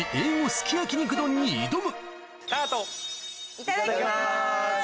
いただきます！